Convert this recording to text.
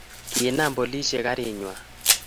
Kinam polisiek karit ng'wany